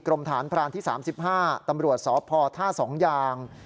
กรมฐานพรานที่๓๕ตำรวจสพท่า๒ยาง